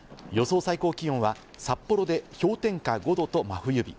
最高気温は札幌で氷点下５度と真冬日。